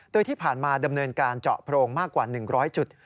โดยที่ผ่านมาดำเนินการเจาะโพรงมากกว่า๑๐๐จุด